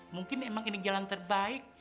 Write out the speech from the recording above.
mungkin emang ini jalan terbaik